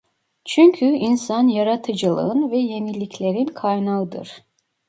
Çünkü insan yaratıcılığın ve yeniliklerin kaynağıdır.